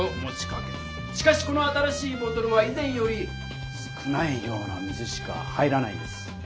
しかしこの新しいボトルはい前より少ない量の水しか入らないんです。